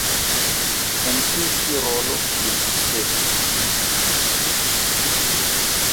En tiu ĉi rolo li sukcesis.